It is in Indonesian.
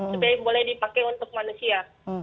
supaya boleh dipakai untuk manusia